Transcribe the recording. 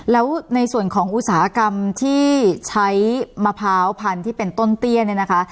แล้วในส่วนของอุตสาหกรรมที่ใช้มะพร้าวพันธุ์ที่เป็นต้นเตี้ยเนี่ยนะคะ